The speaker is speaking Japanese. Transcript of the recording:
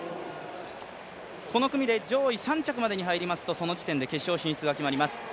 この組で上位３着までに入ると自動的に決勝進出が決まります。